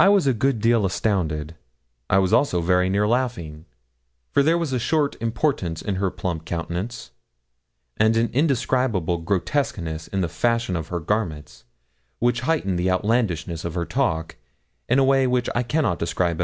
I was a good deal astounded. I was also very near laughing, for there was a sort of importance in her plump countenance, and an indescribable grotesqueness in the fashion of her garments, which heightened the outlandishness of her talk, in a way which I cannot at all describe.